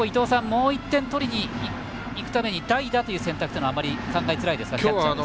もう１点取りにいくために代打という選択ということは考えづらいですか。